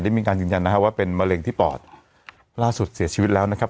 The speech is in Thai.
มีการยืนยันนะฮะว่าเป็นมะเร็งที่ปอดล่าสุดเสียชีวิตแล้วนะครับ